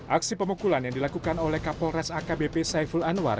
aksi pemukulan yang dilakukan oleh kapolres akbp saiful anwar